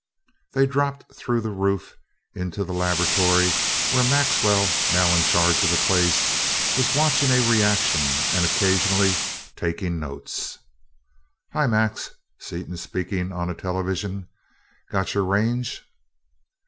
They dropped through the roof into the laboratory where Maxwell, now in charge of the place, was watching a reaction and occasionally taking notes. "Hi, Max! Seaton speaking, on a television. Got your range?"